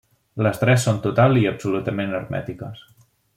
Les tres són totals i absolutament hermètiques.